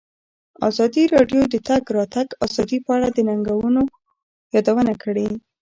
ازادي راډیو د د تګ راتګ ازادي په اړه د ننګونو یادونه کړې.